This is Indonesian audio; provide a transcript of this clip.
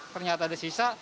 ternyata ada sisa